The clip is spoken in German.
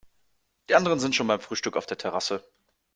Die anderen sind schon beim Frühstück auf der Terrasse.